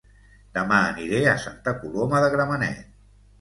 Dema aniré a Santa Coloma de Gramenet